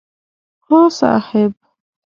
هو صاحب!